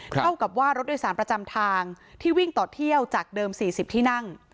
เท่ากับว่ารถโดยสารประจำทางที่วิ่งต่อเที่ยวจากเดิม๔๐ที่นั่ง